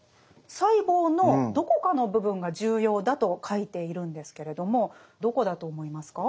細胞のどこかの部分が重要だと書いているんですけれどもどこだと思いますか？